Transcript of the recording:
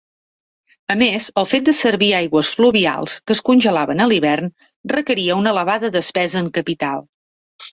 A més, el fet de servir aigües fluvials que es congelaven a l'hivern requeria una elevada despesa en capital.